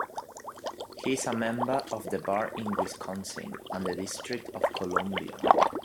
He is a member of the bar in Wisconsin and the District of Columbia.